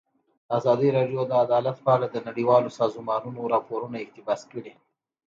ازادي راډیو د عدالت په اړه د نړیوالو سازمانونو راپورونه اقتباس کړي.